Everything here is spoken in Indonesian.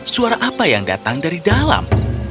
suara apa yang datang dari dalam